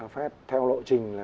fed theo lộ trình là